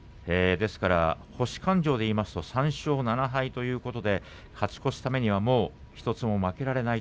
星勘定でいくと３勝７敗ということで勝ち越すためにはもう１つも負けられません。